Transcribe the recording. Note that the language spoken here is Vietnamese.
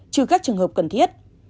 trừ các trường hợp cần thiết